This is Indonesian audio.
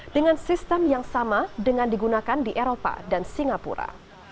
dengan sistem yang sama dengan digunakan di eropa dan singapura